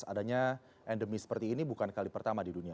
adanya endemi seperti ini bukan kali pertama di dunia